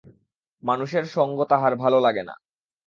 মানুষের সঙ্গ তাহার ভালো লাগে না।